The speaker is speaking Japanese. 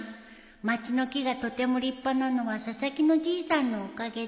「町の木がとても立派なのは佐々木のじいさんのおかげです」